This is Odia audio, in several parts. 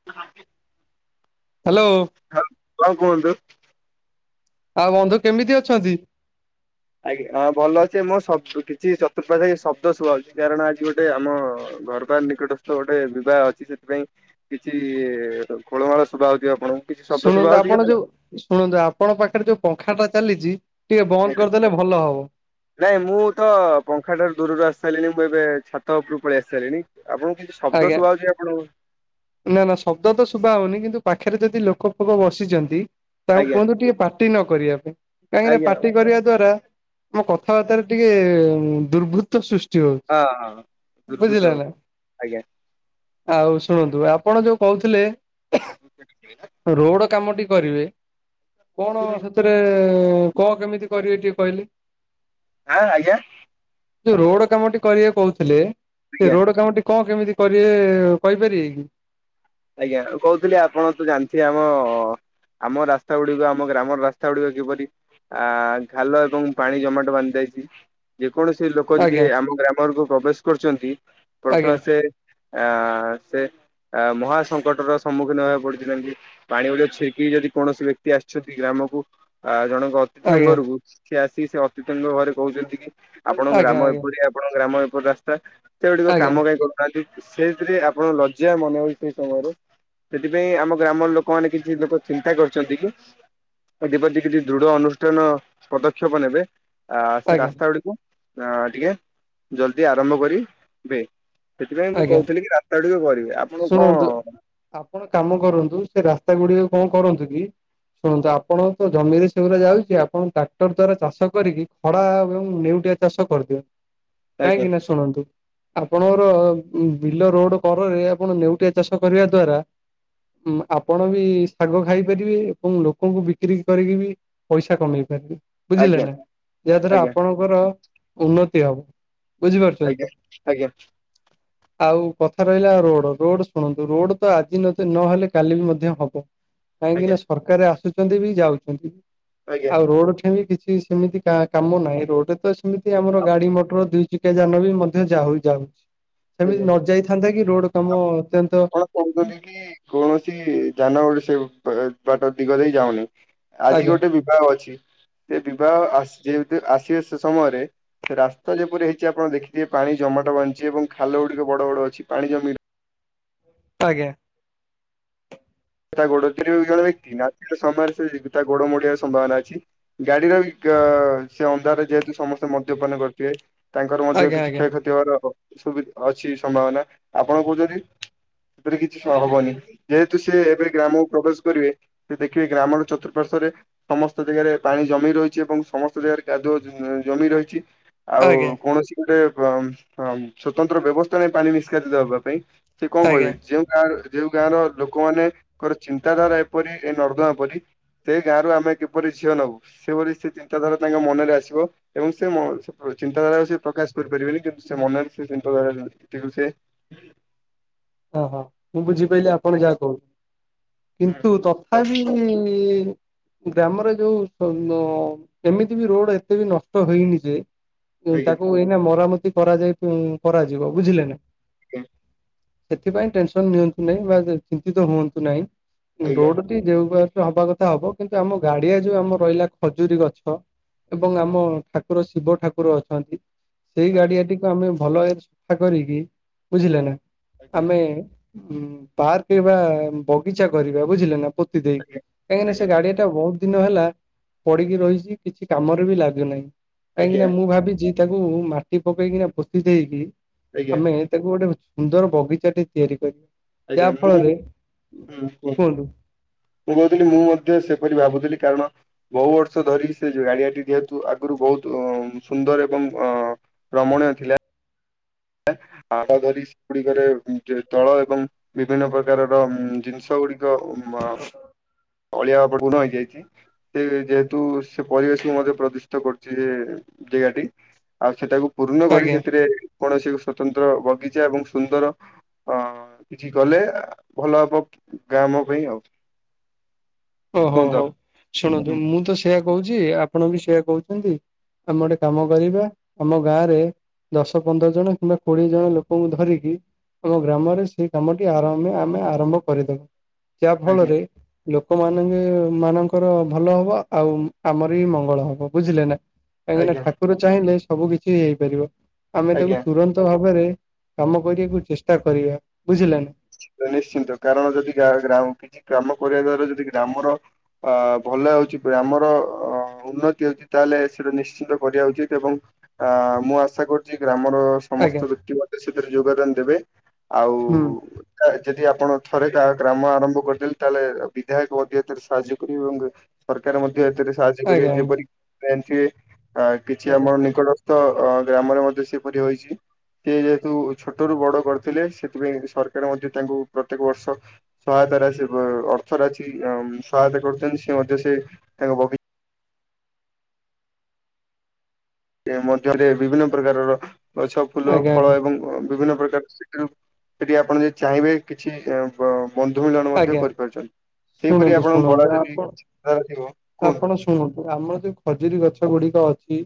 [inaudible] ହ୍ୟାଲୋ। ହଁ କଣ କୁହନ୍ତୁ। ଆଉ ବନ୍ଧୁ କେମିତି ଅଛନ୍ତି। ଆଜ୍ଞା ହଁ ଭଲ ଅଛିବମୁଁ ସବ କିଛି ଚତୁର୍ପାଶ ରେ ଶବ୍ଦ ଶୁଆଛି କାରଣ ଆଜି ଗୋଟେ ଆମ ଘର ପାକ ନିକଟସ୍ଥ ଗୋଟେ ବିବାହ ଅଛି ସେଥିପାଇଁ କିଛି ଖୋଳମାଳ ଶୁଭା ହଉଥିବ ଆପଣଙ୍କୁ। କିଛି ଶବ୍ଦ ଶୁଭା ଶୁଣନ୍ତୁ ହଉଛି କି ଆପଣ ଆଜ୍ଞା। ଯୋଉ ଶୁଣନ୍ତୁ ଆପଣଙ୍କ ପାଖରେ ଯୋଉ ପଙ୍ଖା ଟା ଚାଲିଛି ଟିକେ ବନ୍ଦ କରିଦେଲେ ଭଲ ହବ। ନାଇଁ ମୁଁ ତ ପଙ୍ଖା ଟାରୁ ଦୂରରୁ ଆସି ସାଇଲିଣି ମୁଁ ଏବେ ଛାତ ଉପରୁ ପଳେଇ ଆସି ସାଇଲିଣି ଆପଣଙ୍କୁ କିନ୍ତୁ ଶବ୍ଦ ଆଜ୍ଞା ଶୁଭାଉଛି ଆପଣଙ୍କୁ। ନା ନା ଶବ୍ଦ ତ ଶୁଭା ହଉନି କିନ୍ତୁ ପାଖରେ ଯଦି ଲୋକ ଫୋକ ବସିଛନ୍ତି ତାଙ୍କୁ ଆଜ୍ଞା କୁହନ୍ତୁ ଟିକେ ପାଟି ନ କରିବା ପାଇଁ କାହିଁକିନା ଆଜ୍ଞା ପାଟି କରିବା ଦ୍ଵାରା ଆମ କଥାବାର୍ତ୍ତାରେ ଟିକେ ଦୁର୍ବୁତ୍ତ ସୃଷ୍ଟି ହଁ ହଁ। ହଉଛି ଦୁର୍ବୁତ ବୁଝିଲ ନା। ଆଜ୍ଞା। ଆଉ ଶୁଣନ୍ତୁ ଆପଣ ଯୋଉ କହୁଥିଲେ ରୋଡ କାମଟି କରିବେ କଣ ସେ ଥିରେ କଣ କେମିତି କରିବେ ଟିକେ କହିଲେ। ଆଁ ଆଜ୍ଞା। ଯୋଉ ରୋଡ କାମଟି କରିବେ କହୁଥିଲେ ସେ ଆଜ୍ଞା। ରୋଡ କାମଟି କଣ କେମିତି କରିବେ କହିପାରିବେ କି? ଆଜ୍ଞା କହୁଥିଲି ଆପଣ ତ ଜାଣିଥିବେ ଆମ ଆମ ରାସ୍ତା ଗୁଡିକ ଆମ ଗ୍ରାମର ରାସ୍ତା ଗୁଡିକ କିପରି ଆ ଘାଲ ଏବଂ ପାଣି ଜମାଟ ବାନ୍ଧି ଯାଇଛି। ଯେକୌଣସି ଲୋକ ଯଦି ଆଜ୍ଞା ଆମ ଗ୍ରାମକୁ ପ୍ରବେଶ କରୁଛନ୍ତି ଆଜ୍ଞା ପ୍ରଥମେ ସେ ଆ ସେ ଆ ମହା ସ ଙ୍କଟ ର ସମ୍ମୁଖୀନ ହେବାକୁ ପଡିଚି ଯେମିତି ପାଣି ଭଳିଆ ଛିକି ଯଦି କୌଣସି ବ୍ୟକ୍ତି ଆସିଛନ୍ତି ଗ୍ରାମକୁ ଆ ଜଣଙ୍କ ଅତିଥିୟଙ୍କ ଆଜ୍ଞା ଘରକୁ ସିଏ ଆସିିକି ସେ ଅତିଥିୟଙ୍କ ଘରେ କହୁଛନ୍ତି କି ଆପଣଙ୍କ ଆଜ୍ଞା ଗ୍ରାମ ଆଜ୍ଞା ଏପରି ଆପଣଙ୍କ ଗ୍ରାମ ଏପରି ରାସ୍ତା ସେ ଗୁଡିକ ଆଜ୍ଞା କାମ କାଇଁ କରୁ ନାହାଁନ୍ତି ସେଥିରେ ଆପଣ ଲଜ୍ଜା ମନେ ହଉଚି ସେ ସମୟରେ ସେଥିପାଇଁ ଆମ ଗ୍ରାମର ଲୋକମାନେ କିଛି ଲୋକ ଚିନ୍ତା କରିଛନ୍ତି କି ଏଥିପତି କିଛି ଦୃଢ ଅନୁଷ୍ଠାନ ପଦକ୍ଷେପ ନେବେ। ଆ ସେ ଆଜ୍ଞା ରାସ୍ତା ଗୁଡକୁ ଅ ଟିକେ ଜଲ୍ଦି ଆରମ୍ଭ କରିି ବେ। ସେଥିପାଇଁ ମୁ ଆଜ୍ଞା କହୁଥିଲି କି ରାସ୍ତା ଗୁଡିକ କରିବେ ଆପଣ କଣ ଶୁଣନ୍ତୁ ଆପଣ କାମ କରନ୍ତୁ ସେ ରାସ୍ତା ଗୁଡିକ କଣ କରନ୍ତୁ କି ଶୁଣନ୍ତୁ ଆପଣଙ୍କ ଜମିରେ ସେଗୁରା ଯାଉଛି ଆପଣ ଟ୍ରାକ୍ଟର ଦ୍ଵାରା ଚାଷ କରିକି ଖଡ଼ା ଏବଂ ନେଉଟିଆ ଚାଷ କରିଦିଅ ଆଜ୍ଞା କାହିଁକି ନା ଶୁଣନ୍ତୁ ଆପଣଙ୍କର ବିଲ ରୋଡ କରରେ ଆପଣ ନେଉଟିଆ ଚାଷ କରିବା ଦ୍ଵାରା ମ ଆପଣ ବି ଶାଗ ଖାଇପାରିବେ ଏବଂ ଲୋକଙ୍କୁ ବିକ୍ରି କରିକି ବି ପଇସା କମେଇ ପାରିବେ। ବୁଝିଲେ ଆଜ୍ଞା ନା ଯାହାଦ୍ୱାରା ଆଜ୍ଞା ଆପଣଙ୍କର ଉନ୍ନତି ହବ। ବୁଝିପାରୁଛନ୍ତି ଆଜ୍ଞା ତ ଆଜ୍ଞା। ଆଉ କଥା ରହିଲା ରୋଡ ରୋଡ ଶୁଣନ୍ତୁ ରୋଡ ତ ଆଜି ନହେଲେ କାଲି ବି ମଧ୍ୟ ହବ। କାହିଁକି ନା ଆଜ୍ଞା ସରକାର ଆସୁଛନ୍ତି ବି ଯାଉଛନ୍ତି ଆଜ୍ଞା ଆଜ୍ଞା ଆଉ ରୋଡ ଠେଇଁ ବି କି ସେମିତି କାମ ନାହିଁ ରୋଡରେ ତ ସେମିତି ଆମର ଗାଡି ମଟର ଦୁଇ ଚକିଆ ଯାନ ବି ମଧ୍ୟ ଯାଉ ଯାଉଛି। ସେମିତି ଆଜ୍ଞା। ନ ଯାଇଥାନ୍ତା କି ରୋଡ କାମ ଅତ୍ୟନ୍ତ ଆପଣ କହୁଛନ୍ତି କି କୌଣସି ଯାନ [unintelligible] ସେ ବାଟ ଦିଗ ଦେଇ ଯାଉନି। ଆଜି ଆଜ୍ଞା ଗୋଟେ ବିବାହ ଅଛି ଯେ ବିବାହ ଆସ ଯେହତୁ ଆସିବେ ସେ ସମୟରେ ରାସ୍ତା ଯେପରି ହେଇଛି ଆପଣ ଦେଖିଥିବେ ପାଣି ଜମାଟ ବାନ୍ଧିଛି ଏବଂ ଖାଲ ଗୁଡ଼ିକ ବଡ଼ ବଡ଼ ଅଛି ପାଣି ଜମି ଆଜ୍ଞା। ତା ଗୋଡ଼ରେ ଜଣେ [unintelligible] ନାତି ସମୟରେ ସେ ତା ଗୋଡ଼ ମୋଡ଼ିବାର ସମ୍ଭାବନା ଅଛି। ଗାଡ଼ିର ବି ସେ ଅନ୍ଧାର ଯେହେତୁ ସମସ୍ତେ ମଦ୍ୟପାନ କରିଥିବେ। ତାଙ୍କର ମଧ୍ୟ ଆଜ୍ଞା କିଛି ଆଜ୍ଞା କ୍ଷୟକ୍ଷତି ହବାର ସୁବି ଅଛି ସମ୍ଭାବନା ଆପଣ କହୁଛନ୍ତି ସେଥିରେ କିଛି ହବନି ଯେହେତୁ ସେ ଏବେ ଗ୍ରାମକୁ ପ୍ରବେଶ କରିବେ ସେ ଦେଖିବେ ଗ୍ରାମର ଚତୁଃପାର୍ଶ୍ଵରେ ସମସ୍ତ ଜାଗାରେ ପାଣି ଜମିକି ରହିଛି ଏବଂ ସମସ୍ତ ଜାଗାରେ କାଦୁଅ ଜମି ରହିଛି। ଆଉ ଆଜ୍ଞା କୌଣସି ଗୋଟେ ଅ ଅ ସ୍ଵତନ୍ତ୍ର ବ୍ୟବସ୍ଥା ନାହିଁ ପାଣି ନିଷ୍କାତିିତ ହେବା ପାଇଁ। ସେ କଣ ଆଜ୍ଞା କହିବେ ଯେଉଁ ଗାଁ ଯେଉଁ ଗାଁ ର ଲୋକମାନେ ଙ୍କର ଚିନ୍ତାଧାରା ଏପରି ଏ ନର୍ଦ୍ଦମା ପରି ସେ ଗାଁରୁ ଆମେ କିପରି ଝିଅ ନବୁ ସେଭଳି ସେ ଚିନ୍ତାଧାରା ତାଙ୍କ ମନରେ ଆସିବ ଏବଂ ସେ ମ ଚିନ୍ତାଧାରା ସେ ପ୍ରକାଶ କରିପାରିବେନି କିନ୍ତୁ ସେ ମନରେ ସେ ଚିନ୍ତାଧାରତିକୁ ସେ ଓଃ ହଁ ମୁଁ ବୁଝିପାଇଲିି ଆପଣ ଯାହା କହୁ କିନ୍ତୁ ତ [unintelligible] ଗ୍ରାମରେ ଯୋଉ ଏମିତି ବି ରୋଡ଼ ଏତେ ବି ନଷ୍ଟ ହେଇନି ଯେ ଆଜ୍ଞା। ତାକୁ ଏଇନା ମରାମତି କରାଯାଇ କରାଯିବ ବୁଝିଲେ ନା। ଜ୍ଞା। ସେଥିପାଇଁ ଟେନସନ ନିଅନ୍ତୁ ନାହିଁ ବା ଚିନ୍ତିତ ହୁଅନ୍ତୁ ନାହିଁ ରୋଡ଼ ଟି ଯୋଉ [unintelligible] ହବା କଥା ହବ କିନ୍ତୁ ଆମ ଗାଡ଼ିଆ ଯୋଉ ଆମ ରହିଲା ଖଜୁରୀ ଗଛ ଏବଂ ଆମ ଠାକୁର ଶିବ ଠାକୁର ଅଛନ୍ତି। ସେଇ ଆଜ୍ଞା। ଗାଡ଼ିଆଟିକୁ ଆମେ ଭଲ ଭାବରେ ସଫା କରିକି ବୁଝିଲେ ନା ଆଜ୍ଞା ହୁଁ। ଆମେ ପାର୍କ ବା ବଗିଚା କରିବା ବୁଝିଲେ ନା ଦେଇ କାହିଁକିନା ଆଜ୍ଞା ସେ ଗାଡ଼ିଆ ଟା ଏଟା ବହୁତ ଦିନ ହେଲା ପଡ଼ିକୀ ରହିଛି କିଛି କାମରେ ବି ଲାଗୁନାହିଁ କାହିଁକି ନା ଆଜ୍ଞା ମୁଁ ଭାବିଛି ତାକୁ ମାଟି ପକେଇକିନା ପୋତି ଦେଇକି ଆଜ୍ଞା ଆମେ ତାକୁ ଗୋଟେ ସୁନ୍ଦର ବଗିଚାଟି ତିଆରି କରିବା ଆଜ୍ଞା ଯାହା ମୁଁ ହୁଁ ଫଳରେ କୁହନ୍ତୁ ମୁଁ କହୁଥିଲି ମୁଁ ମଧ୍ୟ ସେପରି ଭାବୁଥିଲି କାରଣ ବହୁ ବର୍ଷ ଧରି ସେଉ ଗାଡ଼ିଆଟି ଯେହେତୁ ଆଗରୁ ବହୁତ ସୁନ୍ଦର ଏବଂ ଅ ରମଣୀୟ ଥିଲା। ଆଡ ଧରିକି ସେଗୁଡ଼ିକରେ ଜଳ ଏବଂ ବିଭିନ୍ନ ପ୍ରକାରର ଜିନିଷ ଗୁଡ଼ିକ ଆ ଅଳିଆ ଆବର୍ଜନା ହେଇଯାଇଛି। ସେ ଯେହେତୁ ସେ ପରିବେଶକୁ ମଧ୍ୟ ପ୍ରଦୂଷିତ କରୁଛି ଯେଗାଟି ଆଉ ସେଟାକୁ ପୂର୍ଣ୍ଣ କରି ଆଜ୍ଞା। ସେଥିରେ କୌଣସି ସ୍ଵତନ୍ତ୍ର ବଗିଚା ଏବଂ ସୁନ୍ଦର ହଁ କିଛି କଲେ ଭଲ ହବ ଗ୍ରାମ ପାଇଁ ଆଉ। ଓହୋ କୁହନ୍ତୁ ହୋ ଆପ- ଶୁଣନ୍ତୁ ହୁଁ ମୁଁ ତ ସେଇଆ କହୁଛି ଆପଣ ବି ସେୟା କହୁଛନ୍ତି ଆମେ ଗୋଟେ କାମ କରିବା ତମ ଗାଁ ରେ ଦଶ ପନ୍ଦର ଜଣ କିମ୍ବା କୋଡ଼ିଏ ଜଣ ଲୋକଙ୍କୁ ଧରିକି ଆମ ଗ୍ରାମରେ ସେଇ କାମଟି ଆରାମ ରେ ଆମେ ଆରମ୍ଭ କରିଦବା ଯାହା ଆଜ୍ଞା ଫଳରେ ଲୋକ ମାନଙ୍କ ମାନଙ୍କର ଭଲ ହବ ଆଉ ଆମର ବି ମଙ୍ଗଳ ହବ ବୁଝିଲେ ନା। କାହିଁକିନା ଆଜ୍ଞା ଠାକୁର ଚାହିଁଲେ ସବୁ କିଛି ହେଇପାରିବ ଆମେ ଆଜ୍ଞା। ତାକୁ ତୁରନ୍ତ ଭାବରେ କାମ କରିବାକୁ ଚେଷ୍ଟା କରିବା ବୁଝିଲ ନା। ନିଶ୍ଚିନ୍ତ କାରଣ ଯଦି ଗ୍ରା କିଛି କାମ କରିବା ଦ୍ଵାରା ଯଦି ଗ୍ରାମର ଅ ଭଲ ହେଉଛି ଆମର ଉନ୍ନତି ହେଉଛି ତାହେଲେ ସେଇଟା ନିଶ୍ଚିନ୍ତ କରିବା ଉଚିତ ଏବଂ ଆ ମୁଁ ଆଶା କରୁଛି ଗ୍ରାମର ସମସ୍ତ ଆଜ୍ଞା ବ୍ୟକ୍ତି ମଧ୍ୟ ସେଥିରେ ଯୋଗଦାନ ଦେବେ ଆଉ ହୁଁ ଯଦି ଆପଣ ଥରେ କାହା ଗ୍ରାମ ଆରମ୍ଭ କରିଦେଲେ ତାହେଲେ ବିଧାୟକ ମଧ୍ୟ ଏଥିରେ ସାହାଯ୍ୟ କରିବେ ଏବଂ ସରକାର ମଧ୍ୟ ଏଥିରେ ସାହାଯ୍ୟ କରିବେ ଆଜ୍ଞା ଆଜ୍ଞା ଯେପରି କିଛି ଆଜ୍ଞା ଆମର ନିକଟ ତ ଗ୍ରାମରେ ମଧ୍ୟ ସେପରି ହୋଇଛି ସେ ଯେହେତୁ ଛୋଟରୁୁ ବଡ କରିଥିଲେ ସେଥିପାଇଁ ସରକାର ମଧ୍ୟ ତାଙ୍କୁ ପ୍ରତ୍ୟେକ ବର୍ଷ ସହାୟତା ରାଶି ଅର୍ଥରାଶି ସହାୟତା କରୁଛନ୍ତି ସେ ମଧ୍ୟ ସେ ତାଙ୍କ ବଗିଚ ମଧ୍ୟରେ ବିଭିନ୍ନ ପ୍ରକାରର ଗଛ ଫୁଲ ଆଜ୍ଞା ଫଳ ଆଜ୍ଞା ଏବଂ ବିଭିନ୍ନ ପ୍ରକାର ସେଠି ଆପଣ ଯଦି ଚାହିଁବେ କିଛି- ବନ୍ଧୁ ମିଳନ ମଧ୍ୟ ଆଜ୍ଞା। କରିପାରୁଛନ୍ତି ସେହିପରି ଶୁଣନ୍ତୁ ଆପଣଙ୍କ ବଳା ଶୁଣନ୍ତୁ ଯଦିଧାର ଥିବ କୁହନ୍ତୁ ହଁ ଆମର ଯୋଉ ଖଜୁରୀ ଗଛ ଗୁଡିକ ଅଛି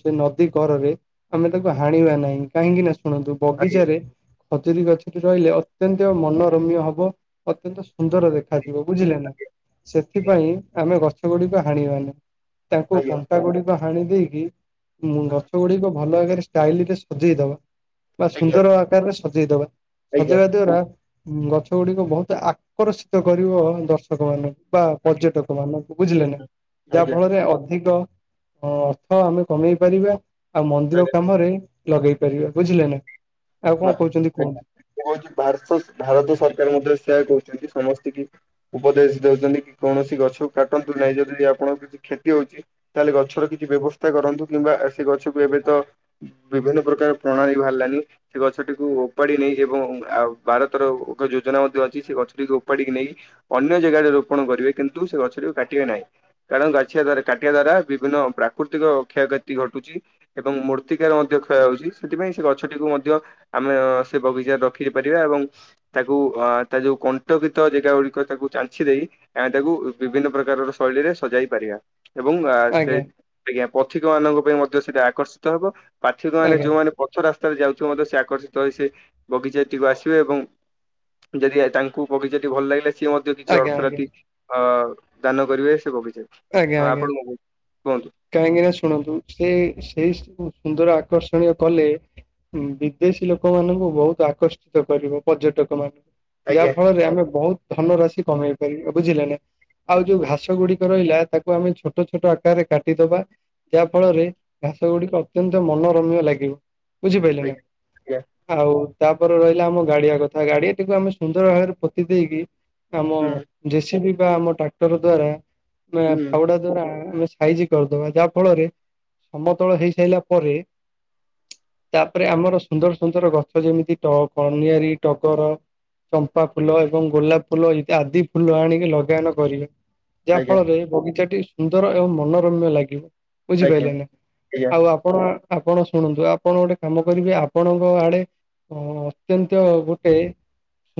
ସେ ନଦୀ କରରେ ଆମେ ତାକୁ ହାଣିବା ନାହିଁ କାହିଁକି ନା ଶୁଣନ୍ତୁ ଆଜ୍ଞା ବଗିଚାରେ ଖଜୁରୀ ଗଛରେ ରହିଲେ ଅତ୍ୟନ୍ତ ମନୋରମ୍ୟ ହବ। ଅତ୍ୟନ୍ତ ସୁନ୍ଦର ଦେଖାଯିବ ବୁଝିଲେ ନା ସେଥିପାଇଁ ଆମେ ଗଛ ଗଛ ଗୁଡିକ ହାଣିବାନି ତାଙ୍କୁ ଆଜ୍ଞା କଣ୍ଟା ଗୁଡିକ ହାଣି ଦେଇକି ହୁଁ ଗଛ ଗୁଡିକ ଭଲ ଭରେ ଷ୍ଟାଇଲରେ ସଜେଇଦବା। ବା ଆଜ୍ଞା ସୁନ୍ଦର ଆକାରରେ ସଜେଇଦବା ଆଜ୍ଞା ସଜେଇବା ଦ୍ଵାରା ଗଛ ଗୁଡିକ ବହୁତ ଆକର୍ଷିତ କରିବ ଦର୍ଶକ ମାନଙ୍କୁ। ବା ଆଜ୍ଞା ପର୍ଯ୍ୟଟକ ମାନଙ୍କୁ ବୁଝିଲେ ନା ହୁଁ ଯାହା ଆଜ୍ଞା। ଫଳରେ ଅଧିକ ହଁ ଅର୍ଥ ଆମେ କମେଇ ପାରିବା ଆଉ ମନ୍ଦିର ଆଜ୍ଞା। କାମରେ ଲଗେଇ ପାରିବା ବୁଝିଲେ ନା ଆଉ କଣ କହୁଛନ୍ତି କୁହନ୍ତୁ? କଉ ଭାର ଭାରତ ସରକାର ମଧ୍ୟ ସେୟା କହୁଛନ୍ତି ସମସ୍ତେ କି ଉପଦେଶ ଦଉଛନ୍ତି କି କୌଣସି ଗଛ କାଟନ୍ତୁ ନାହିଁ ଯଦି ଆପଣଙ୍କ କିଛି କ୍ଷତି ହଉଛି। ତାହେଲେ ଗଛର କିଛି ବ୍ୟବସ୍ଥା କରନ୍ତୁ କିମ୍ବା ସେ ଗଛକୁ ଏବେ ତ ବିଭିନ୍ନ ପ୍ରକାର ପ୍ରଣାଳୀ ବାହାରିଲାନି। ସେ ଗଛଟିକୁ ଓପାଡ଼ି ନେଇ ଏବଂ ଭାରତର ଏକ ଯୋଜନା ମଧ୍ୟ ଅଛି ସେ ଗଛଟିକୁ ଓପାଡ଼ିକି ନେଇ ଅନ୍ୟ ଜାଗାରେ ରୋପଣ କରିବେ କିନ୍ତୁ ସେ ଗଛଟିକୁ କାଟିବେ ନାହିଁ। କାରଣ ଗାଛିଆ ଦ୍ଵାରା କାଟିବା ଦ୍ଵାରା ବିଭିନ୍ନ ପ୍ରାକୃତିକ କ୍ଷୟକ୍ଷତି ଘଟୁଛି। ଏବଂ ମୂର୍ତ୍ତିକାର ମଧ୍ୟ କ୍ଷୟ ହଉଛି ସେଥିପାଇଁ ସେ ଗଛଟିକୁ ମଧ୍ୟ ଆମେ ସେ ବଗିଚା ରଖି ପାରିବା ଏବଂ ତାକୁ ଅ ତା ଯୋଉ କଣ୍ଟକିତ ଜାଗା ଗୁଡିକ ତାକୁ ଚାନଛି ଦେଇ ଆମେ ତାକୁ ବିଭିନ୍ନ ପ୍ରକାରର ଶୈଳୀରେ ସଜାଇ ପାରିବା ଏବଂ ଆ ସେ ଆଜ୍ଞା ଆଜ୍ଞା ପଥିକ ମାନଙ୍କ ପାଇଁ ମଧ୍ୟ ସେଇଟା ଆକର୍ଷିତ ହେବ ପାର୍ଥିକ ମାନେ ଆଜ୍ଞା ଯୋଉମାନେ ପ ରାସ୍ତାରେ ଯାଉଥିବ ମଧ୍ୟ ସେ ଆକର୍ଷିତ ହେଇ ସେ ବଗିଚାଟିକୁ ଆସିବେ ଏବଂ ଯଦି ଏ ତାଙ୍କୁ ପଗିଚା ଟି ଭଲ ଲାଗିଲେ ସିଏ ମତେ ଯ କିଛି ଆଜ୍ଞା ଆଜ୍ଞା ଅର୍ଥନତି ଅ ଦାନ କରିବେ ସେ ବଗିଚା ଟି ଆଜ୍ଞା ଆ ଆଜ୍ଞା ଆପଣଙ୍କୁ କୁହନ୍ତୁ କାହିଁକି ନା ଶୁଣନ୍ତୁ ସେ ସେଇ ଶୁ -ସୁନ୍ଦର ଆକର୍ଷଣୀୟ କଲେ ହଁ ବିଦେଶୀ ଲୋକମାନଙ୍କୁ ବହୁତ ଆକର୍ଷିତ କରିବ ପର୍ଯ୍ୟଟକ ମାନଙ୍କୁ ଯାହା ଆଜ୍ଞା ଫଳରେ ଆମେ ବହୁତ୍ ଧନ ରାଶି କମେଇ ପାରିବା ବୁଝିଲେ ନା। ଆଉ ଯୋଉ ଘାସ ଗୁଡିକ ରହିଲା ତାକୁ ଆମେ ଛୋଟ ଛୋଟ ଆକାରରେ କାଟ କାଟିଦବା ଯାହା ଫଳରେ ଘାସ ଗୁଡିକ ଅତ୍ୟନ୍ତ ମନୋରମ୍ୟ ଲାଗିବ। ବୁଝିପାଇଲେ ନା, ଆଜ୍ଞା ଆଜ୍ଞା ଆଉ ତାପରେ ରହିଲା ଆମ ଗାଡିଆ କଥା ଗାଡିଆଟିକୁ ଆମେ ସୁନ୍ଦର ଭାବରେ ପୋତି ଦେଇକି ଆମ ହୁଁ ଜେସିବି ବା ଆମ ଟ୍ରାକ୍ଟର ଦ୍ଵାରା ନା ହୁଁ ଫାଉଡା ଦ୍ଵାରା ଆମେ ସାଇଜି କରିଦବା ଯାହା ଫଳରେ ସମତଳ ହେଇସାଇଲା ପରେ ତାପରେ ଆମର ସୁନ୍ଦର ସୁନ୍ଦର ଗଛ ଯେମିତି ଟ କନିଆରୀ, ଟଗର ଚମ୍ପା ଫୁଲ ଏବଂ ଗୋଲାପ ଫୁଲ ଈ ଆଦି ଫୁଲ ଆଣିକି ଲଗାୟନ କରିବେ। ଯାହା ଆଜ୍ଞା ଫଳରେ ବଗିଚା ଟି ସୁନ୍ଦର ଏବଂ ମନୋରମ୍ୟ ଲାଗିବ। ବୁଝି ଆଜ୍ଞା ପାଇଲେ ନା ଆଜ୍ଞା ଆଉ ଆପ୍ ଆପଣ ଆପଣ ଶୁଣନ୍ତୁ ଆପଣ ଗୋଟେ କାମ କରିବେ, ଆପଣଙ୍କ ଆଡେ ହ ଅତ୍ୟନ୍ତ ଗୋଟେ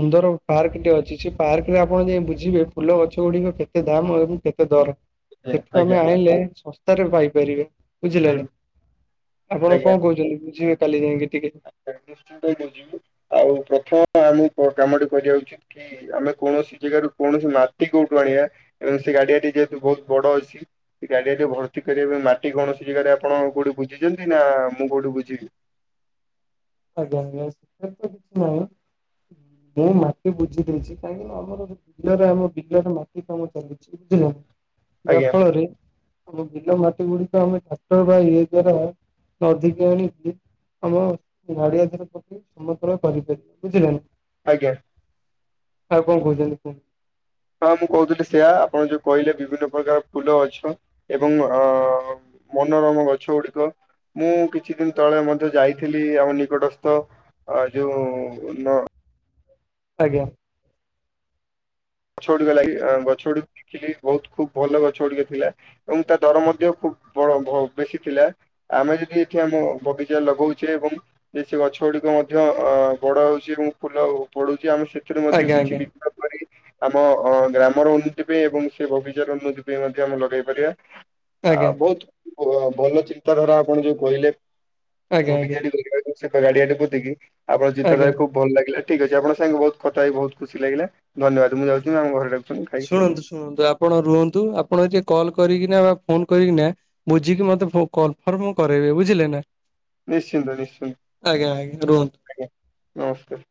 ସୁନ୍ଦର ପାର୍କ ଟେ ଅଛି ସେ ପାର୍କ ରେ ଆପଣ ଯାଇ ବୁଝିବେ ଫୁଲ ଗଛ ଗୁଡିକ କେତେ କେତେ ଦାମ୍ ଏବଂ କେତେ ଦର ଆଜ୍ଞା ସେଠୁ ଆଜ୍ଞା ଆମେ ଆଣିଲେ ଶସ୍ତାରେ ପାଇପାରିବେ। ବୁଝିଲେ ହୁଁ ନା ଆପଣ କଣ କହୁଛନ୍ତି ବୁଝିବେ କାଲି ଯାଇକି ଟିକେ ଷ୍ଟାଡିଅମ ଯାଇ ବୁଝିବି, ଆଉ ପ୍ରଥମ ଆମକୁ କୋଉ କାମ ଟି କରିଵା ଉଚିତ୍। କି ଆମେ କୌଣସି ଜାଗାରୁ କୌଣସି ମାଟି କୋଉଠୁ ଆଣିଆ ଏବଂ ସେ ଗାଡିଆଟି ଯେହେତୁ ବହୁତ ବଡ ଅଛି। ସେ ଗାଡିଆ ଟି ଭର୍ତ୍ତି କରିବା ପାଇଁ ମାଟି କୌଣସି ଜାଗାରେ ଆପଣ କୋଉଠି ବୁଝିଛନ୍ତି ନା ମୁଁ କୋଉଠି ବୁଝିବି? ଆଜ୍ଞା ଆଜ୍ଞା ସେ ତ କିଛି ନୁହଁ, ମୁଁ ମାଟି ବୁଝି ଦେଇଛି କାହିଁକି ନା ଆମର ବିଲରେ ଆମ ବିଲରେ ମାଟି କାମ ଚାଲିଛି ବୁଝିଲ, ଯାହା ଆଜ୍ଞା ଫଳରେ ଆମ ବିଲ ମାଟି ଗୁଡିକ ଆମେ ଟାକ୍ଟର ବା ଇଏ ଦ୍ଵାରା ଅଧିକା ଆଣିକି ଆମ ନଡିଆ ଦର ପ୍ରତି ସମଗ୍ରୟ କରିପାରିବ ବୁଝିଲଣି ଆଜ୍ଞା। ଆଉ କଣ କହୁଛନ୍ତି କୁହନ୍ତୁ? ହଁ ମୁଁ କହୁଥିଲି ସେୟା ଆପଣ ଯୋଉ କହିଲେ ବିଭିନ୍ନ ପ୍ରକାର ଫୁଲ ଗଛ ଏବଂ ଅ ମନୋରମ ଗଛ ଗୁଡିକ ମୁଁ କିଛି ଦିନି ତଳେ ମଧ୍ୟ ଯାଇଥିଲି ଆମ ନିକଟସ୍ଥ ଯୋଉ ଆଜ୍ଞା। ଗଛ ଗୁଡିକ ଲାଗି ଗଛ ଗୁଡିକ ଦେଖିଲି ବହୁତ ଖୁବ ଭଲ ଗଛ ଗୁଡିକ ଥିଲା। ଏବଂ ତା ଦର ମଧ୍ୟ ଖୁବ ବଡ ବେଶୀ ଥିଲା। ଆମେ ଯଦି ଏଠି ଆମ ବଗିଚାରେ ଲଗଉଛେ ଏବଂ କିଛି ଗଛ ଗୁଡିକ ମଧ୍ୟ ଅ ବଡ ହଉଛି ଏବଂ ଫୁଲ ଫଳୁଛି ଆମେ ସେ ସେଥିରୁ ମଧ୍ୟ ଆଜ୍ଞା କିଛି ଆଜ୍ଞା ପାରୁଚୁ। ଆମ ଅଁ ଗ୍ରାମର ଉନ୍ନତି ପାଇଁ ଏବଂ ସେ ବଗିଚାର ଉନ୍ନତି ପାଇଁ ମଧ୍ୟ ଆମେ ଲଗେଇ ପାରିଆ। ଆ ଆଜ୍ଞା ବହୁତ ଭଲ ଚିନ୍ତାଧାରା ଆପଣ ଯୋଉ କହିଲେ, ଆଜ୍ଞା ବଗିଚାଟି ଆଜ୍ଞା କରିବେ। ସେ ଗାଡିଆ ଟେ ପୋତିକି ଆପଣ ଙ୍କ ଚିନ୍ତା ଆଜ୍ଞା। ଧାରା ଖୁବ୍ ଭଲ ଲାଗିଲା ଠିକ୍ ଅଛି ଆପଣ ସାଙ୍ଗ ବହୁତ କଥା ହେଇ ବହୁତ ଖୁସି ଲାଗିଲା ଧନ୍ୟବାଦ ମୁଁ ଯାଉଥିଲି ଆମ ଘରେ ଡାକୁ ଶୁଣନ୍ତୁ ଶୁଣନ୍ତୁ ଆପଣ ରୁହନ୍ତୁ ଆପଣ ଏଠି କଲ କରିକିନା ବା ଫୋନ କରିକିନା ବୁଝିକି ମତେ ଫ କନଫର୍ମ କରେଇବେ ବୁଝିଲେ ନା। ନିଶ୍ଚିନ୍ତ ନିଶ୍ଚିନ୍ତ ଆଜ୍ଞା ଆଜ୍ଞା ରୁହନ୍ତୁ। ଆଜ୍ଞା ନମସ୍କାର।